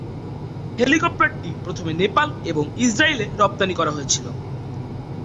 হেলিকপ্টারটি প্রথমে নেপাল এবং ইসরায়েলে রপ্তানি করা হয়েছিল।